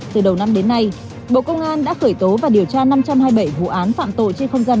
từ đầu năm đến nay bộ công an đã khởi tố và điều tra năm trăm hai mươi bảy vụ án phạm tội trên không gian